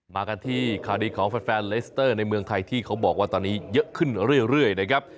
มากันที่ข่าวดีของแฟนเลสเตอร์ในเมืองไทยที่เขาบอกว่าตอนนี้เยอะขึ้นเรื่อยนะครับ